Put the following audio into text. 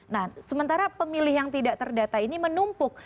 nah sementara pemilih yang tidak terdata ini menumpuk